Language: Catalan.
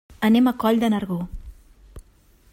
Anem a Coll de Nargó.